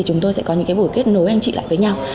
chúng tôi sẽ có những buổi kết nối anh chị lại với nhau